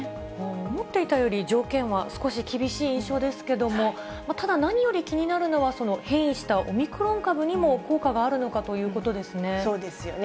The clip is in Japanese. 思っていたより条件は少し厳しい印象ですけども、ただ、何より気になるのは、変異したオミクロン株にも効果があるのかということですね。